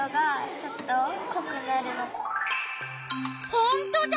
ほんとだ！